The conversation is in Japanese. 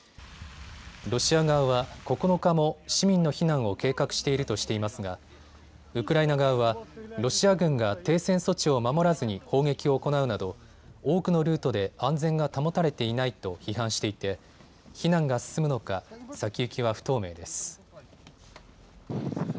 ロシア側は９日も市民の避難を計画しているとしていますがウクライナ側はロシア軍が停戦措置を守らずに砲撃を行うなど多くのルートで安全が保たれていないと批判していて避難が進むのか先行きは不透明です。